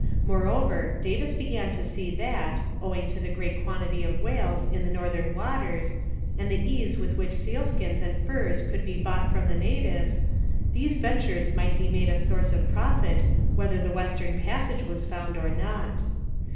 Moreover, Davis began to see that, owing to the great quantity of whales in the northern waters, and the ease with which seal skins and furs could be bought from the natives, these ventures might be made a source of profit whether the Western Passage was found or not.